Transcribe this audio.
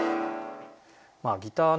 まあギターね